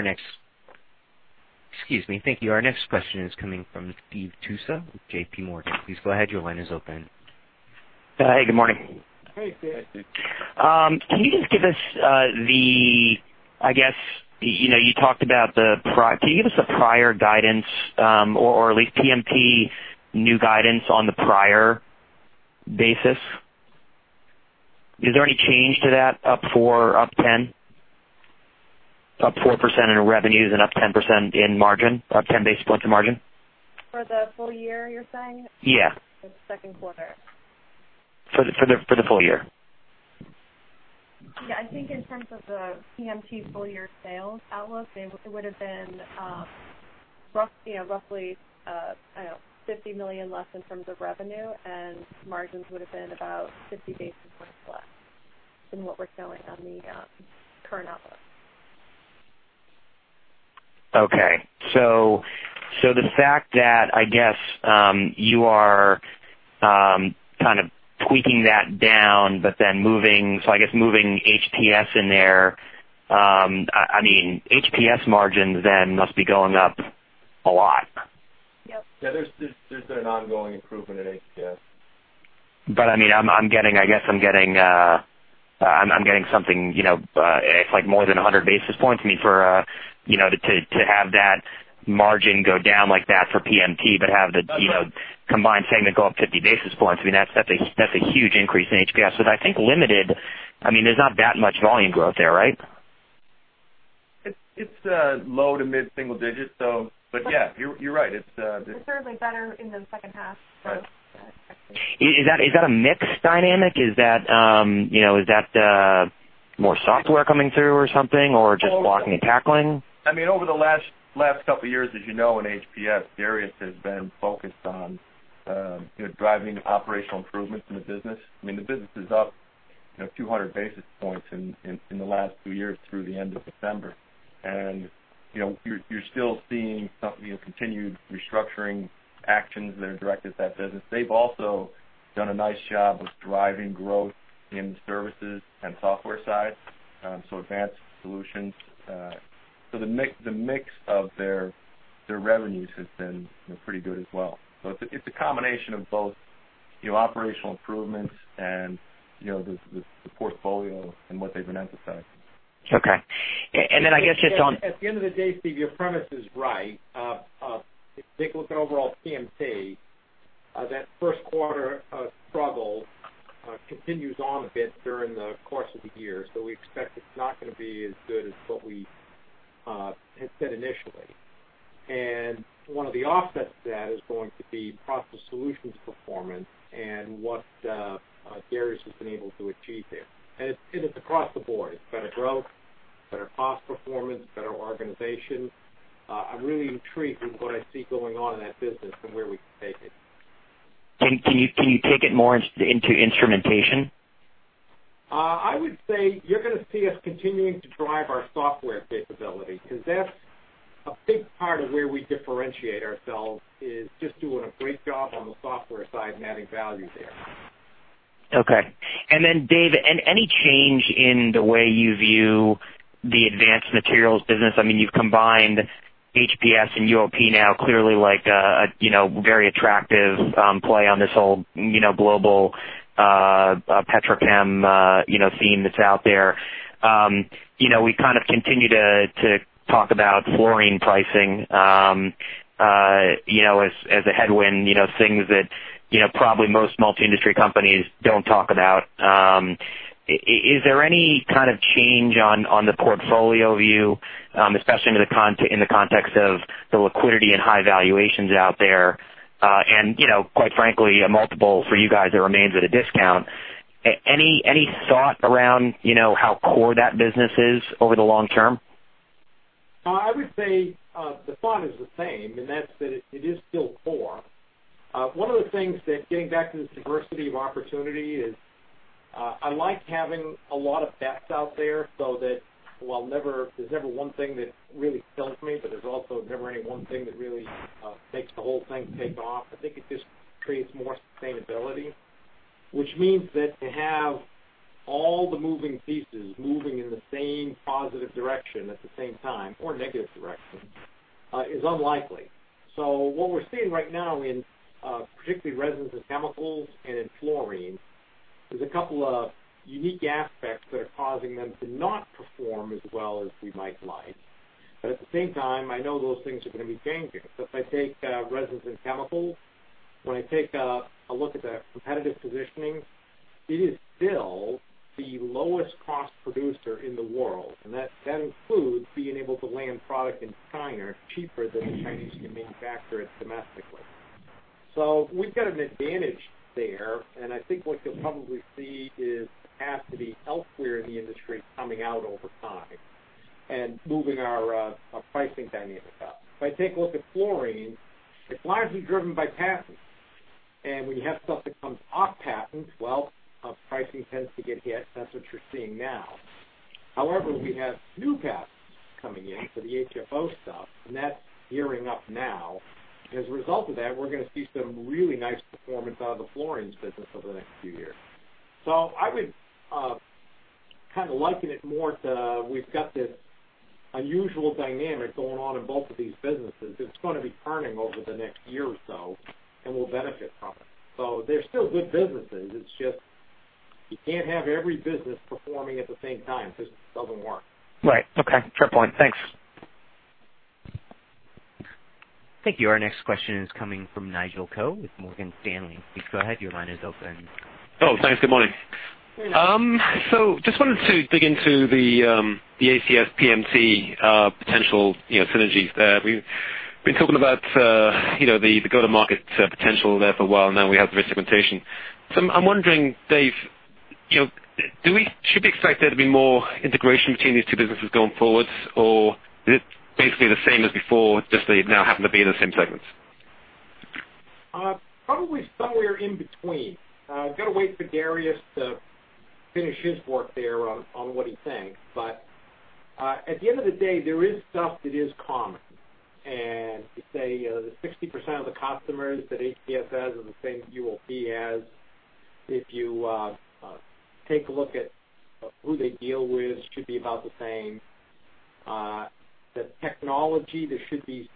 Our next question is coming from Steve Tusa with JP Morgan. Please go ahead. Your line is open. Hey, good morning. Hey, Steve. Can you just give us the, I guess, you talked about the prior. Can you give us a prior guidance, or at least PMT new guidance on the prior basis? Is there any change to that up four%, up 10%? Up 4% in revenues and up 10% in margin, up 10 basis points in margin? For the full year, you're saying? Yeah. The second quarter? For the full year. Yeah, I think in terms of the PMT full year sales outlook, it would've been roughly $50 million less in terms of revenue, and margins would've been about 50 basis points less than what we're showing on the current outlook. Okay. The fact that, I guess, you are kind of tweaking that down, then I guess moving HPS in there, HPS margins then must be going up a lot. Yep. Yeah. There's been an ongoing improvement in HPS. I guess I'm getting something, it's like more than 100 basis points to me to have that margin go down like that for PMT, but have the combined segment go up 50 basis points. That's a huge increase in HPS with, I think, limited. There's not that much volume growth there, right? It's low to mid-single digits. Yeah, you're right. It's certainly better in the second half. Yeah. Is that a mix dynamic? Is that more software coming through or something, or just walking and tackling? Over the last couple of years, as you know, in HPS, Darius has been focused on driving operational improvements in the business. The business is up 200 basis points in the last two years through the end of December. You're still seeing continued restructuring actions that are directed at that business. They've also done a nice job of driving growth in the services and software side, so advanced solutions. The mix of their revenues has been pretty good as well. It's a combination of both operational improvements and the portfolio and what they've been emphasizing. Okay. I guess just on. At the end of the day, Steve, your premise is right. If you take a look at overall PMT, that first quarter struggle continues on a bit during the course of the year. We expect it's not going to be as good as what we had said initially. One of the offsets to that is going to be Process Solutions' performance and what Darius has been able to achieve there. It's across the board. It's better growth. Better cost performance. Better organization. I'm really intrigued with what I see going on in that business and where we can take it. Can you take it more into instrumentation? I would say you're going to see us continuing to drive our software capability, because that's a big part of where we differentiate ourselves, is just doing a great job on the software side and adding value there. Okay. Dave, any change in the way you view the Advanced Materials business? You've combined HPS and UOP now clearly like a very attractive play on this whole global petrochem theme that's out there. We kind of continue to talk about fluorine pricing as a headwind, things that probably most multi-industry companies don't talk about. Is there any kind of change on the portfolio view, especially in the context of the liquidity and high valuations out there, and quite frankly, a multiple for you guys that remains at a discount. Any thought around how core that business is over the long term? I would say the thought is the same, and that's that it is still core. One of the things that, getting back to this diversity of opportunity is, I like having a lot of bets out there so that there's never one thing that really kills me, but there's also never any one thing that really makes the whole thing take off. I think it just creates more sustainability, which means that to have all the moving pieces moving in the same positive direction at the same time, or negative direction, is unlikely. What we're seeing right now in, particularly resins and chemicals and in fluorine, there's a couple of unique aspects that are causing them to not perform as well as we might like. At the same time, I know those things are going to be changing. If I take resins and chemicals, when I take a look at the competitive positioning, it is still the lowest cost producer in the world, and that includes being able to land product in China cheaper than the Chinese can manufacture it domestically. We've got an advantage there, and I think what you'll probably see is capacity elsewhere in the industry coming out over time and moving our pricing dynamics up. If I take a look at fluorine, it's largely driven by patents. When you have stuff that comes off patent, well, pricing tends to get hit. That's what you're seeing now. However, we have new patents coming in for the HFO stuff, and that's gearing up now. As a result of that, we're going to see some really nice performance out of the Fluorine Products business over the next few years. I would kind of liken it more to, we've got this unusual dynamic going on in both of these businesses. It's going to be turning over the next year or so and we'll benefit from it. They're still good businesses. It's just you can't have every business performing at the same time, because it doesn't work. Right. Okay. Fair point. Thanks. Thank you. Our next question is coming from Nigel Coe with Morgan Stanley. Please go ahead. Your line is open. Thanks. Good morning. Just wanted to dig into the ACS PMT potential synergies there. We've been talking about the go-to-market potential there for a while now. We have the risk segmentation. I'm wondering, Dave, should we expect there to be more integration between these two businesses going forward, or is it basically the same as before, just that they now happen to be in the same segment? Probably somewhere in between. Got to wait for Darius to finish his work there on what he thinks. At the end of the day, there is stuff that is common, and say 60% of the customers that HPS has are the same that UOP has. If you take a look at who they deal with, should be about the same. The technology, there should be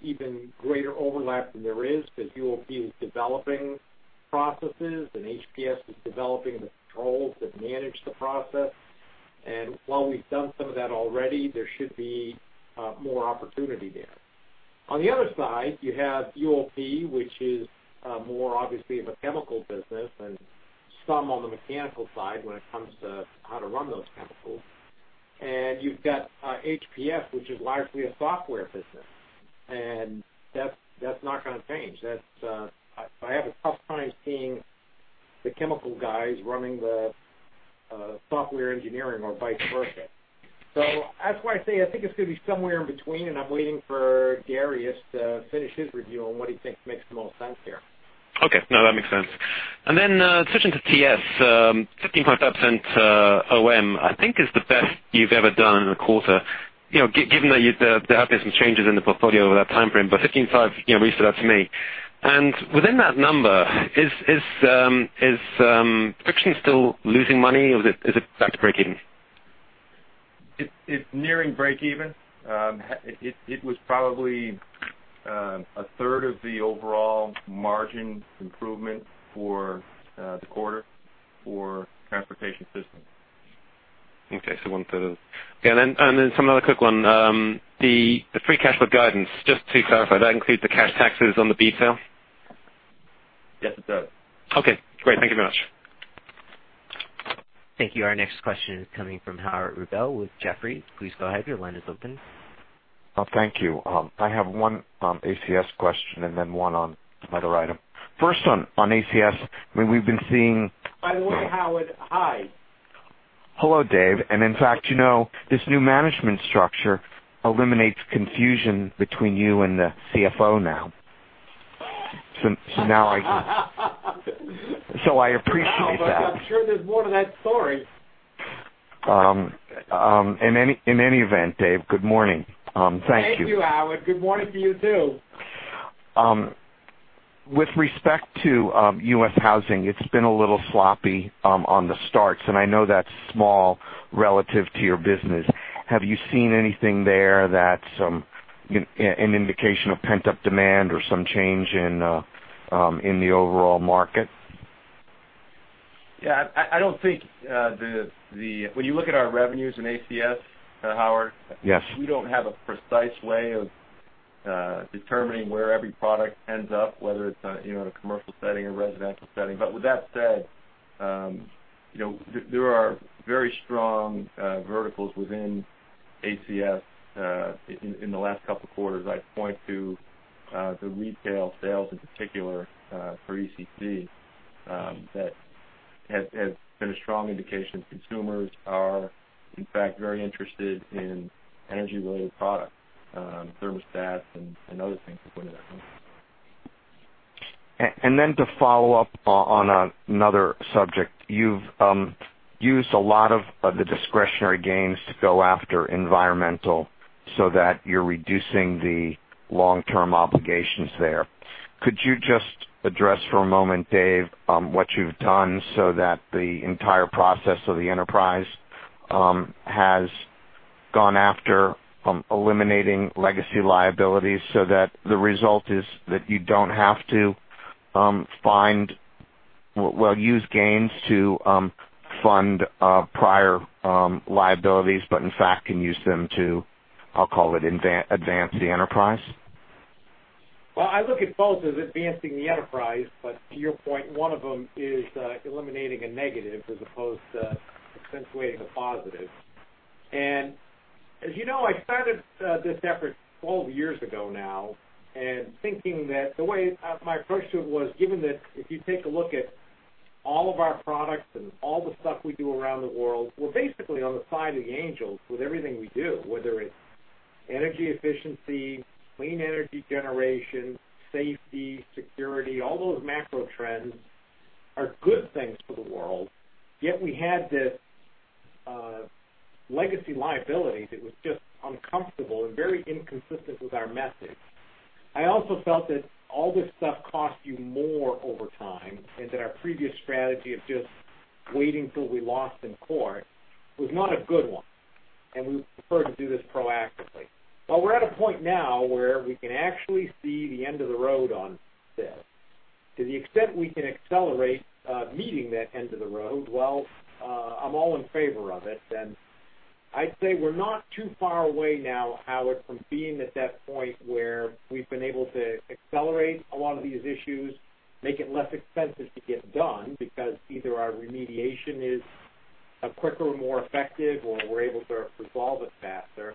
even greater overlap than there is because UOP is developing processes and HPS is developing the controls that manage the process. While we've done some of that already, there should be more opportunity there. On the other side, you have UOP, which is more obviously of a chemical business and some on the mechanical side when it comes to how to run those chemicals. You've got HPS, which is largely a software business, and that's not going to change. I have a tough time seeing the chemical guys running the software engineering or vice versa. That's why I say I think it's going to be somewhere in between, and I'm waiting for Darius to finish his review on what he thinks makes the most sense here. Okay. No, that makes sense. Then switching to TS, 15.5% OM, I think is the best you've ever done in a quarter. Given that there have been some changes in the portfolio over that time frame, 15.5 resounded to me. Within that number, is Friction still losing money or is it back to breakeven? It's nearing breakeven. It was probably a third of the overall margin improvement for the quarter for Transportation Systems. Okay. One third. Then some other quick one. The free cash flow guidance, just to clarify, that includes the cash taxes on the B sale? Yes, it does. Okay, great. Thank you very much. Thank you. Our next question is coming from Howard Rubel with Jefferies. Please go ahead. Your line is open. Oh, thank you. I have one ACS question and then one on another item. First, on ACS. By the way, Howard, hi. Hello, Dave. In fact, this new management structure eliminates confusion between you and the CFO now. I appreciate that. I'm sure there's more to that story. In any event, Dave, good morning. Thank you. Thank you, Howard. Good morning to you, too. With respect to U.S. housing, it's been a little sloppy on the starts, and I know that's small relative to your business. Have you seen anything there that's an indication of pent-up demand or some change in the overall market? Yeah. When you look at our revenues in ACS, Howard. Yes We don't have a precise way of determining where every product ends up, whether it's in a commercial setting or residential setting. With that said, there are very strong verticals within ACS in the last couple of quarters. I'd point to the retail sales in particular, for ECC, that has been a strong indication consumers are, in fact, very interested in energy-related products, thermostats and other things of that nature. To follow up on another subject, you've used a lot of the discretionary gains to go after environmental so that you're reducing the long-term obligations there. Could you just address for a moment, Dave, what you've done so that the entire process of the enterprise has gone after eliminating legacy liabilities so that the result is that you don't have to use gains to fund prior liabilities, but in fact can use them to, I'll call it, advance the enterprise? Well, I look at both as advancing the enterprise, but to your point, one of them is eliminating a negative as opposed to accentuating a positive. As you know, I started this effort 12 years ago now and my approach to it was, given that if you take a look at all of our products and all the stuff we do around the world, we're basically on the side of the angels with everything we do, whether it's energy efficiency, clean energy generation, safety, security, all those macro trends are good things for the world. Yet we had this legacy liability that was just uncomfortable and very inconsistent with our message. I also felt that all this stuff costs you more over time and that our previous strategy of just waiting till we lost in court was not a good one, and we would prefer to do this proactively. Well, we're at a point now where we can actually see the end of the road on this. To the extent we can accelerate meeting that end of the road, well, I'm all in favor of it. I'd say we're not too far away now, Howard, from being at that point where we've been able to accelerate a lot of these issues, make it less expensive to get done because either our remediation is quicker and more effective or we're able to resolve it faster.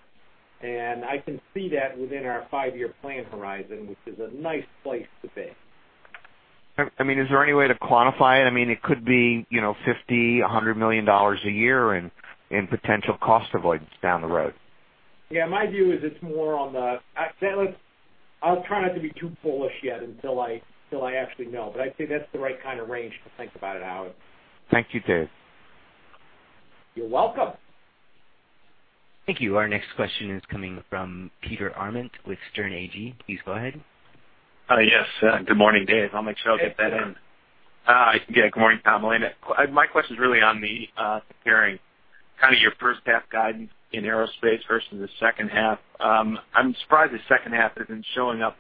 I can see that within our five-year plan horizon, which is a nice place to be. Is there any way to quantify it? It could be $50 million, $100 million a year in potential cost avoidance down the road. Yeah, my view is it's more on the-- I'll try not to be too bullish yet until I actually know, but I'd say that's the right kind of range to think about it, Howard. Thank you, Dave. You're welcome. Thank you. Our next question is coming from Peter Arment with Sterne Agee. Please go ahead. Good morning, Dave. I'll make sure I'll get that in. Hey, Peter. Good morning, Tom, Elena. My question is really on the comparing kind of your first half guidance in Aerospace versus the second half. I'm surprised the second half isn't showing up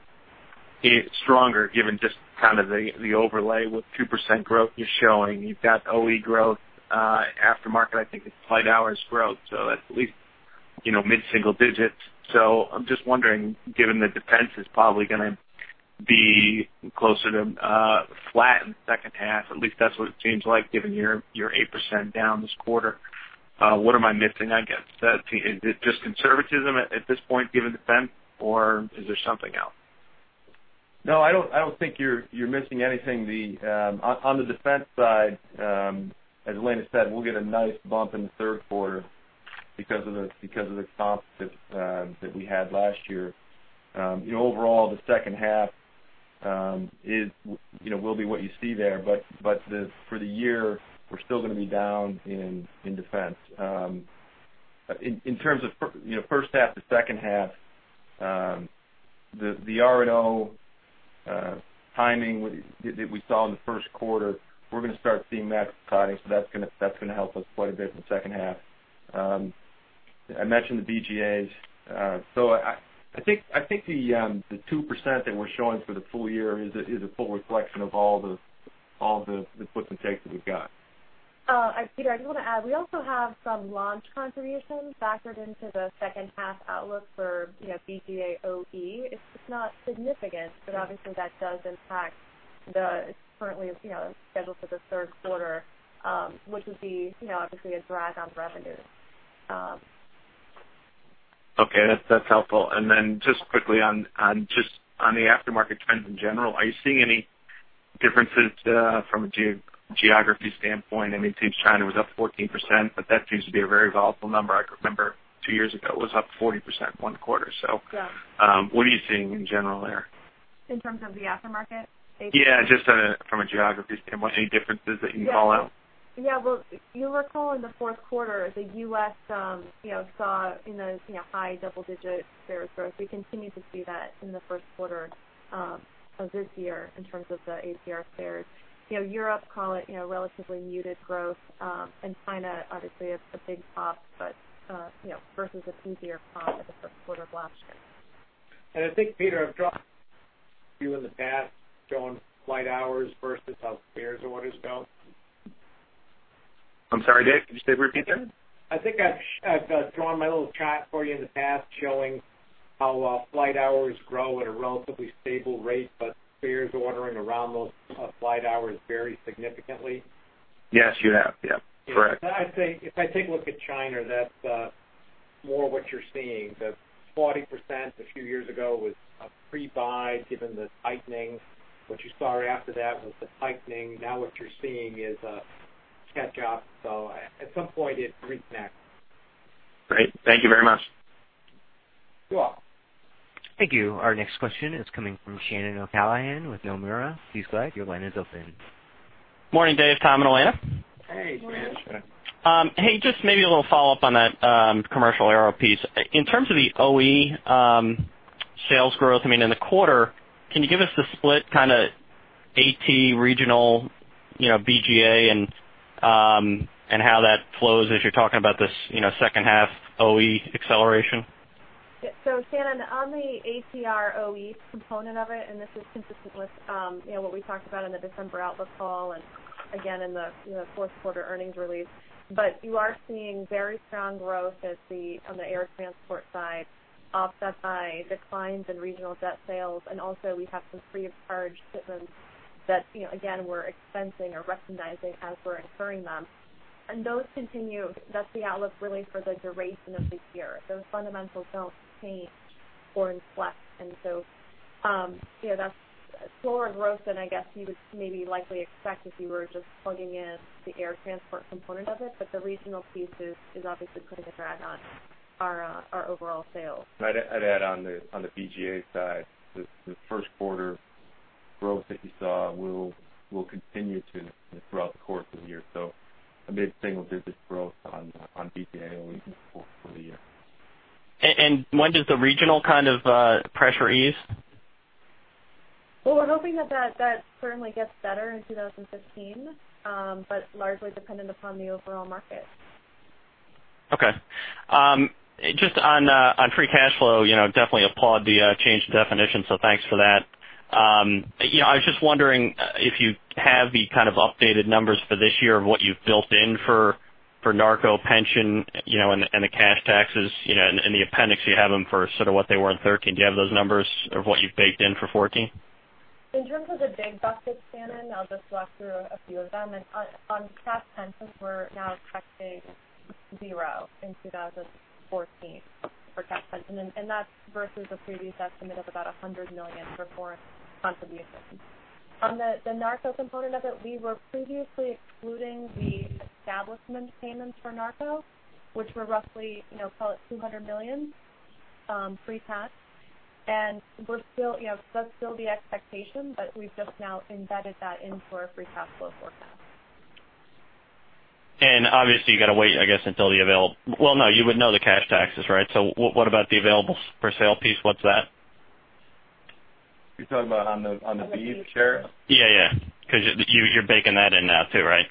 stronger given just kind of the overlay with 2% growth you're showing. You've got OE growth aftermarket, I think it's flight hours growth, that's at least mid-single digits. I'm just wondering, given that Defense is probably going to be closer to flat in the second half, at least that's what it seems like given you're 8% down this quarter, what am I missing, I guess? Is it just conservatism at this point given Defense or is there something else? I don't think you're missing anything. On the Defense side, as Elena said, we'll get a nice bump in the third quarter because of the comps that we had last year. Overall, the second half will be what you see there, but for the year, we're still going to be down in Defense. In terms of first half to second half, the R&O timing that we saw in the first quarter, we're going to start seeing that declining. That's going to help us quite a bit in the second half. I mentioned the BGA. I think the 2% that we're showing for the full year is a full reflection of all the puts and takes that we've got. Peter, I just want to add, we also have some launch contributions factored into the second half outlook for BGA OE. It's not significant, obviously that does impact the currently scheduled for the third quarter, which would be obviously a drag on revenue. Okay, that's helpful. Just quickly on the aftermarket trends in general, are you seeing any differences from a geography standpoint? I mean, it seems China was up 14%, that seems to be a very volatile number. I can remember two years ago it was up 40% one quarter. Yeah. What are you seeing in general there? In terms of the aftermarket, AP- Yeah, just from a geography standpoint, any differences that you call out? Well, if you recall in the fourth quarter, the U.S. saw in those high double-digit spares growth. We continue to see that in the first quarter of this year in terms of the ATR spares. Europe, call it relatively muted growth. China, obviously, it's a big pop, but versus an easier pop at the first quarter of last year. I think, Peter, I've drawn you in the past showing flight hours versus how spares orders go. I'm sorry, Dave, could you repeat that? I think I've drawn my little chart for you in the past showing how flight hours grow at a relatively stable rate, but spares orbiting around those flight hours vary significantly. Yes, you have. Yeah. Correct. If I take a look at China, that's more what you're seeing. The 40% a few years ago was a pre-buy, given the tightening. What you saw after that was the tightening. Now what you're seeing is a catch-up. At some point it reconnects. Great. Thank you very much. You're welcome. Thank you. Our next question is coming from Shannon O'Callaghan with Nomura. Please go ahead. Your line is open. Morning, Dave, Tom, and Elena. Hey, Shannon. Morning. Hey, just maybe a little follow-up on that commercial aero piece. In terms of the OE sales growth, I mean, in the quarter, can you give us the split ATR, BGA, and how that flows as you're talking about this second half OE acceleration? Shannon, on the ATR OE component of it, This is consistent with what we talked about in the December outlook call and again in the fourth quarter earnings release. You are seeing very strong growth on the air transport side, offset by declines in regional jet sales. Also we have some pre-charged shipments that, again, we're expensing or recognizing as we're incurring them. Those continue. That's the outlook, really, for the duration of this year. Those fundamentals don't change or inflect. That's slower growth than I guess you would maybe likely expect if you were just plugging in the air transport component of it. The regional piece is obviously putting a drag on our overall sales. I'd add on the BGA side, the first quarter growth that you saw will continue to throughout the course of the year. A mid-single-digit growth on BGA OE for the year. When does the regional pressure ease? We're hoping that certainly gets better in 2015, but largely dependent upon the overall market. Just on free cash flow, definitely applaud the change in definition, thanks for that. I was just wondering if you have the kind of updated numbers for this year of what you've built in for NARCO pension, and the cash taxes, in the appendix, you have them for sort of what they were in 2013. Do you have those numbers of what you've baked in for 2014? In terms of the big buckets, Shannon, I'll just walk through a few of them. On cash pensions, we're now expecting zero in 2014 for cash pension. That's versus a previous estimate of about $100 million for fourth contribution. On the NARCO component of it, we were previously excluding the establishment payments for NARCO, which were roughly, call it $200 million pre-tax. That's still the expectation, but we've just now embedded that into our free cash flow forecast. Obviously you got to wait, I guess, until the well, no, you would know the cash taxes, right? What about the available for sale piece? What's that? You're talking about on the B share? You're baking that in now, too, right?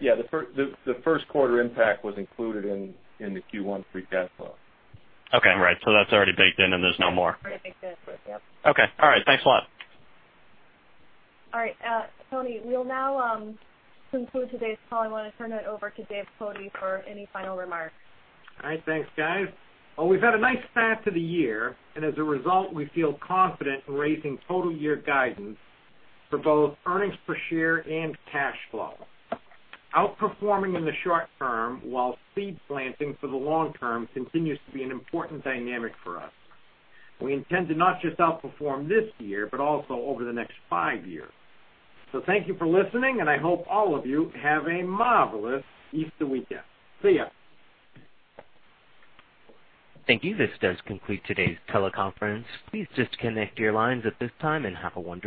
Yeah. The first quarter impact was included in the Q1 free cash flow. Okay, right. That's already baked in, and there's no more. Already baked in for it, yep. Okay. All right. Thanks a lot. All right. Tony, we'll now conclude today's call. I want to turn it over to Dave Cote for any final remarks. All right. Thanks, guys. Well, we've had a nice start to the year, and as a result, we feel confident in raising total year guidance for both earnings per share and cash flow. Outperforming in the short term while seed planting for the long term continues to be an important dynamic for us. We intend to not just outperform this year, but also over the next five years. Thank you for listening, and I hope all of you have a marvelous Easter weekend. See ya. Thank you. This does conclude today's teleconference. Please disconnect your lines at this time, and have a wonderful day.